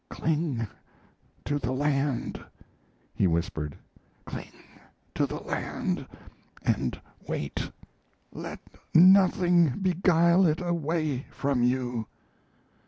"Cling to the land," he whispered. "Cling to the land, and wait. Let nothing beguile it away from you."